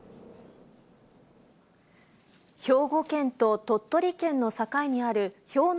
兵庫県と鳥取県の境にある氷ノ